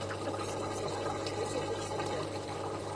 Автокырсыктын себептерин полиция териштирүүдө.